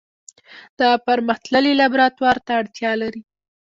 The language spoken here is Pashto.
دا پرمختللي لابراتوار ته اړتیا لري.